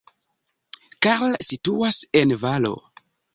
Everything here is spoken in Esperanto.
Karl situas en valo.